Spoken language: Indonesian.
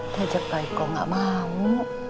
kejepai kok gak mau